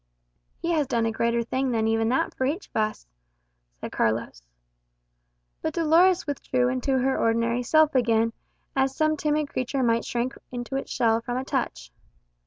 "He has done a greater thing than even that for each of us," said Carlos. But Dolores withdrew into her ordinary self again, as some timid creature might shrink into its shell from a touch.